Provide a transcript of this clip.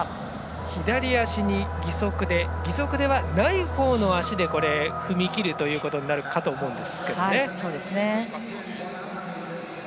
左足に義足で義足ではないほうの足で踏み切るということになるかと思いますが。